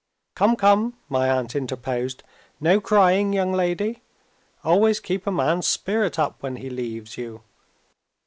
"Come! come!" my aunt interposed; "no crying, young lady! Always keep a man's spirits up when he leaves you.